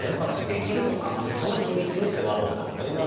その秘密に迫ろうと思います